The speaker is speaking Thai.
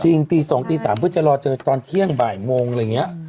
จริงตี๒ตี๓เพื่อจะรอเจอตอนเที่ยงบ่ายโมงอะไรอย่างนี้